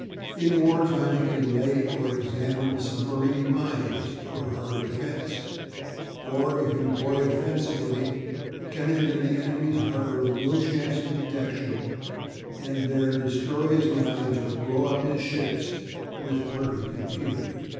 In war time it can lay or examine submarine mines for harbour defence, or, if employed offensively, can enter the enemy's harbour with no chance of detection, and there destroy his mines or blow up his ships with perfect impunity.